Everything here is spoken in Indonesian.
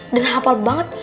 dan hafal banget